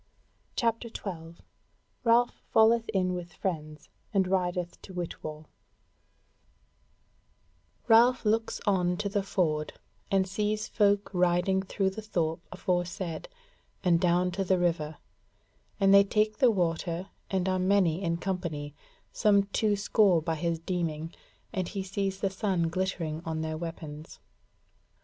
CHAPTER 12 Ralph Falleth in With Friends and Rideth to Whitwall Ralph looks on to the ford and sees folk riding through the thorp aforesaid and down to the river, and they take the water and are many in company, some two score by his deeming, and he sees the sun glittering on their weapons.